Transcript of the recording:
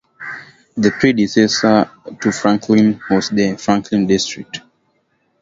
The predecessor to Franklin was the Franklin District.